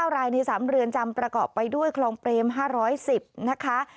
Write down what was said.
๙รายใน๓เรือนจำประกอบไปด้วยคลองเปรม๕๑๐นะคะ